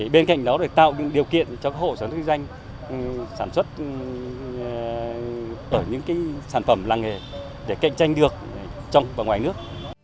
bên cạnh đó tạo những điều kiện cho hộ sản xuất doanh sản xuất những sản phẩm lăng nghề để cạnh tranh được trong và ngoài nước